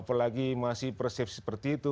apalagi masih persepsi seperti itu